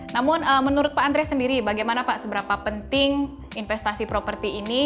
namun menurut pak andre sendiri bagaimana pak seberapa penting investasi properti ini